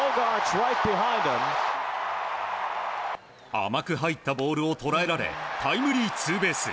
甘く入ったボールを捉えられタイムリーツーベース。